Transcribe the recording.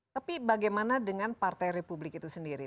tapi bagaimana dengan partai republik itu sendiri